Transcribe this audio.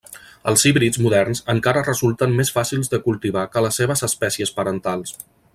Els híbrids moderns encara resulten més fàcils de cultivar que les seves espècies parentals.